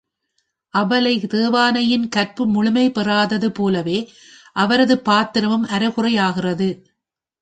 அபலை தேவானையின் கற்பு முழுமை பெறாதது போலவே அவரது பாத்திரமும் அரைகுறையாகிறது.